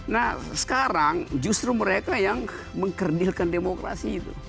nah sekarang justru mereka yang mengkerdilkan demokrasi itu